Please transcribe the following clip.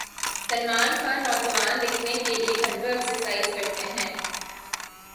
سلمان خان نوجوان دکھنے کیلئے گھنٹوں ایکسرسائز کرتے ہیں